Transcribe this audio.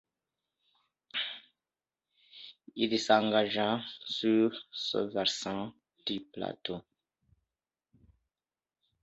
Il s’engagea sur ce versant du plateau.